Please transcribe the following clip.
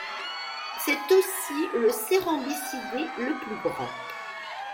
C'est aussi le cérambycidé le plus grand.